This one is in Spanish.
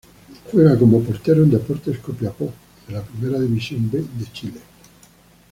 Juega como Portero en Deportes Copiapó de la Primera División B de Chile.